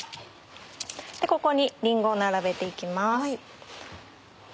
ここにりんごを並べて行きます。